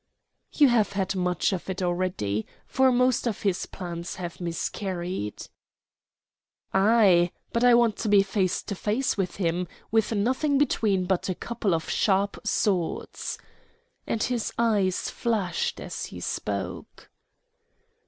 "You have had much of it already, for most of his plans have miscarried." "Ay, but I want to be face to face with him, with nothing between but a couple of sharp swords," and his eyes flashed as he spoke.